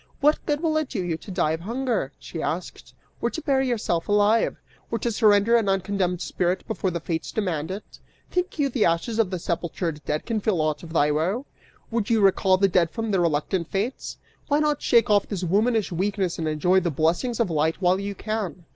'What good will it do you to die of hunger?' she asked, 'or to bury yourself alive'? Or to surrender an uncondemned spirit before the fates demand it? 'Think you the ashes or sepultured dead can feel aught of thy woe! Would you recall the dead from the reluctant fates? Why not shake off this womanish weakness and enjoy the blessings of light while you can?